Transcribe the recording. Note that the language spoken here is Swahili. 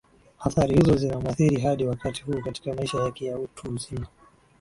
athaari hizo zinamuathiri hadi wakati huu katika maisha yake ya utu uzima